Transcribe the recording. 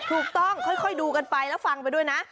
ถูกต้องค่อยดูกันไปแล้วฟังไปด้วยนะ